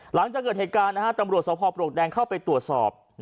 หลังจากเกิดเหตุการณ์ตำรวจสภพปลวกแดงเข้าไปตรวจสอบ